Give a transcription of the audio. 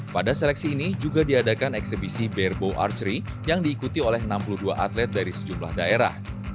pada seleksi ini juga diadakan eksebisi barebow archery yang diikuti oleh enam puluh dua atlet dari sejumlah daerah